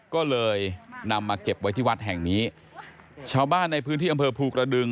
ก็เลยนำมาเก็บไว้ที่วัดแห่งนี้ชาวบ้านในพื้นที่อำเภอภูกระดึง